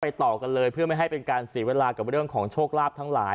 ต่อกันเลยเพื่อไม่ให้เป็นการเสียเวลากับเรื่องของโชคลาภทั้งหลาย